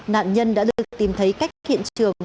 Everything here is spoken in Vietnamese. nạn nhân đã được tìm thấy cách hiện trường